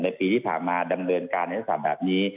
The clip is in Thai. ในปีที่ผ่านมาดำเนินการนักศึกษาแบบนี้